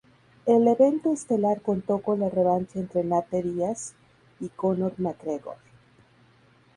El evento estelar contó con la revancha entre Nate Diaz y Conor McGregor.